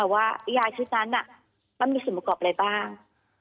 แต่ว่ายายชีวิตนั้นน่ะมันมีสิ่งประกอบอะไรบ้าง